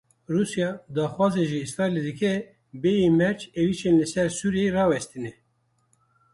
Rûsya daxwazê ji Îsraîlê dike bêyî merc êrişên li ser Sûriyeyê rawestîne.